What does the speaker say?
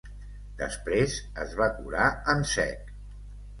Després, es va curar en sec.